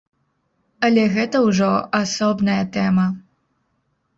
Але гэта ўжо асобная тэма.